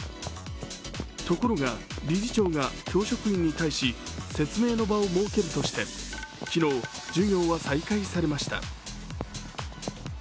ところが理事長が教職員に対し説明の場を設けるとして昨日、授業は再開されました。